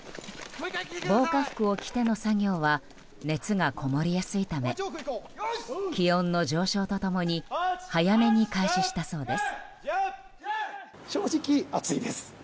防火服を着ての作業は熱がこもりやすいため気温の上昇と共に早めに開始したそうです。